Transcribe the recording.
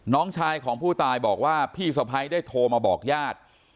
น้องชายของผู้ตายบอกว่าพี่สะพ้ายได้โทรมาบอกญาติ